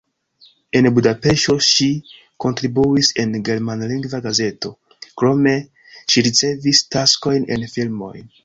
En Budapeŝto ŝi kontribuis en germanlingva gazeto, krome ŝi ricevis taskojn en filmoj.